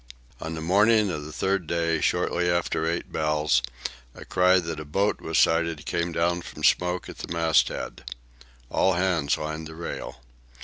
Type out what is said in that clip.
On the morning of the third day, shortly after eight bells, a cry that the boat was sighted came down from Smoke at the masthead. All hands lined the rail.